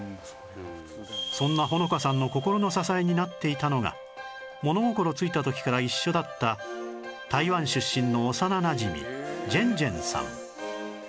そんな穂乃花さんの心の支えになっていたのが物心ついた時から一緒だった台湾出身の幼なじみジェンジェンさん